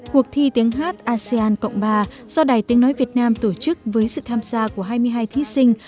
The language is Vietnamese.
cuộc thi tiếng hát asean cộng ba do đài tiếng nói việt nam tổ chức với sự tham gia của hai mươi hai thí sinh